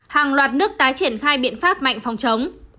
hàng loạt nước tái triển khai biện pháp mạnh phòng chống